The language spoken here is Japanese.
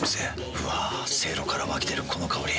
うわせいろから湧き出るこの香り。